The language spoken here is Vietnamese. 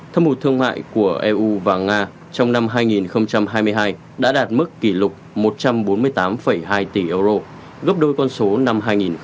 thâm hụt thương mại của eu và nga trong năm hai nghìn hai mươi hai đã đạt mức kỷ lục một trăm bốn mươi tám hai tỷ euro gấp đôi con số năm hai nghìn hai mươi ba